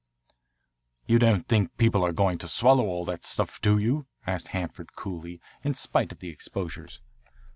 "You don't think people are going to swallow all that stuff, do you?" asked Hanford coolly, in spite of the exposures.